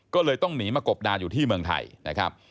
ก็เลยต้องหนีมากบดานอยู่ที่เมืองไทยนะครับ